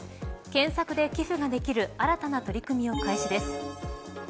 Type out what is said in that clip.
検索で寄付ができる新たな取り組みを開始です。